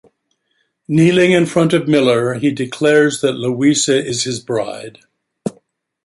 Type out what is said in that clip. Kneeling in front of Miller he declares that Luisa is his bride.